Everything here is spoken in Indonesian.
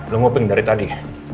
lo ngopeng dari tadi